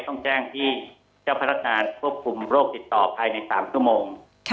ต้องแจ้งที่เจ้าพนักงานควบคุมโรคติดต่อภายใน๓ชั่วโมง